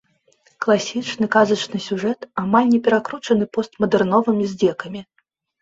Класічны казачны сюжэт, амаль не перакручаны постмадэрновымі здзекамі.